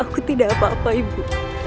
aku tidak apa apa ibu